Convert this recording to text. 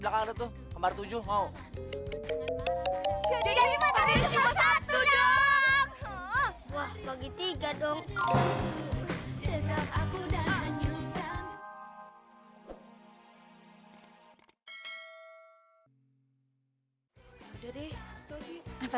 apaan tuh kemarin tujuh mau jadi satu dong wah bagi tiga dong aku dan nyuruh